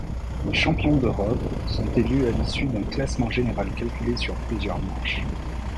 Les champions d'Europe sont élus à l'issue d'un classement général calculé sur plusieurs manches.